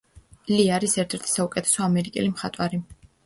ლი არის ერთ-ერთი საუკეთესო ამერიკელი მხატვარი.